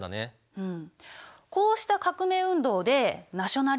うん。